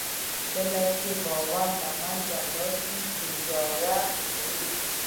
کله چې باور له منځه ولاړ شي، تجارت مري.